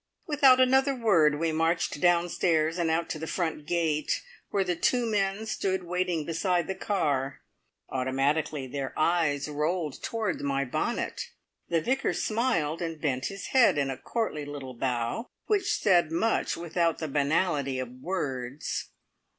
Without another word we marched downstairs and out to the front gate, where the two men stood waiting beside the car. Automatically their eyes rolled towards my bonnet; the Vicar smiled, and bent his head in a courtly little bow, which said much without the banality of words.